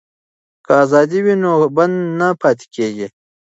که ازادي وي نو بند نه پاتې کیږي.